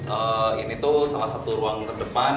ee ini tuh salah satu ruang terdepan